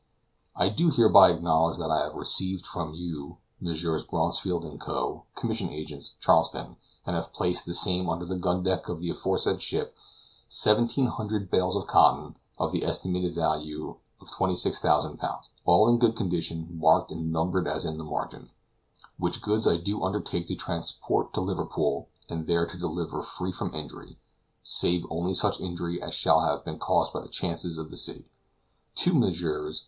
I do hereby acknowledge that I have received from you, Messrs. Bronsfield and Co., Commission Agents, Charleston, and have placed the same under the gun deck of the aforesaid ship, seventeen hundred bales of cotton, of the estimated value of 26,000 L., all in good condition, marked and numbered as in the margin; which goods I do undertake to transport to Liverpool, and there to deliver, free from injury (save only such injury as shall have been caused by the chances of the sea), to Messrs.